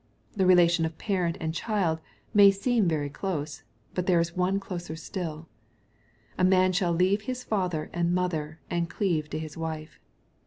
The relation of parent and child may seem very close, but there is one closer stilL — "A man shall leave father and mother, and cleave to His wife."